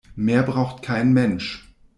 Mehr braucht kein Mensch.